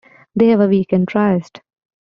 They have a weekend tryst.